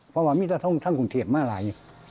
เพราะว่ามิดโทษท่องถิ่มมาหลาย